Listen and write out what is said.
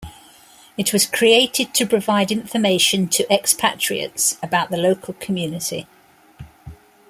It was created to provide information to expatriates about the local community.